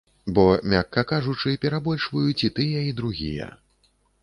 Бо, мякка кажучы, перабольшваюць і тыя, і другія.